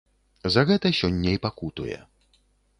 За гэта сёння і пакутуе.